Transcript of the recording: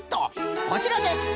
こちらです！